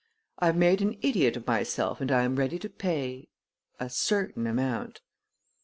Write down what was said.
I have made an idiot of myself and I am ready to pay a certain amount."